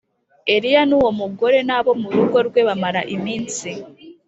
Eliya n uwo mugore n abo mu rugo rwe bamara iminsi